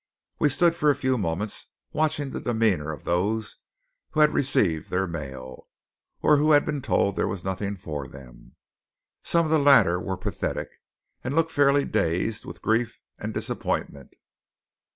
We stood for a few moments watching the demeanour of those who had received their mail, or who had been told there was nothing for them. Some of the latter were pathetic, and looked fairly dazed with grief and disappointment.